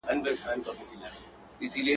بل به ستا په شاني یار کړم چي پر مخ زلفي لرمه..